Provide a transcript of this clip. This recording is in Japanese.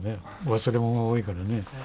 忘れ物が多いからね。